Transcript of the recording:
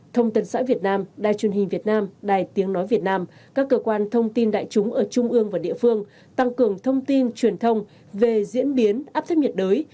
thông tân xã việt nam đài truyền hình việt nam đài tiếng nói việt nam các cơ quan thông tin đại chúng ở trung ương và địa phương tăng cường thông tin truyền thông về diễn biến áp thấp nhiệt đới